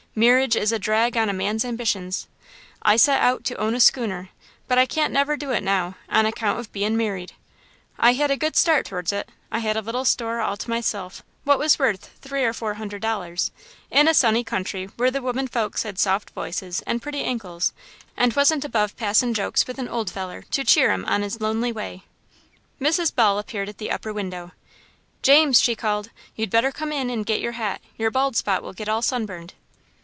Merriage is a drag on a man's ambitions. I set out to own a schooner, but I can't never do it now, on account of bein' merried. I had a good start towards it I had a little store all to myself, what was worth three or four hundred dollars, in a sunny country where the women folks had soft voices and pretty ankles and wasn't above passin' jokes with an old feller to cheer 'im on 'is lonely way." Mrs. Ball appeared at the upper window. "James," she called, "you'd better come in and get your hat. Your bald spot will get all sunburned."